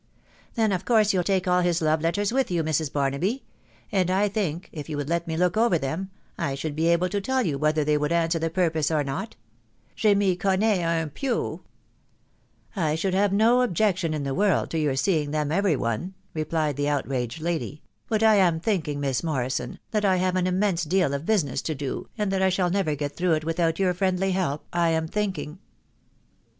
'*" Then of course you'll take all his love letters with yea, Mrs. Barnaby ; and I think, if you would let me look am them, I should be able to tell you whether they would the purpose or not. — Jay me coney ung pew.9 " I should have no objection in the world to your them every one," replied the outraged lady ;.... but I thinking, Miss Morrisson, that I have an immense deal of business to do, and that I shall never get through it without your friendly help .... I am thinking.